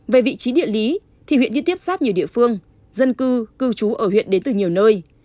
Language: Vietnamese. về vị trí địa lý thì huyện đi tiếp xác nhiều địa phương dân cư cư trú ở huyện đến từ nhiều nơi